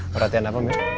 perhatian apa mir